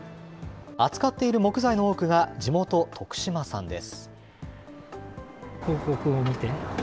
扱っている木材の多くが、地元、徳島産です。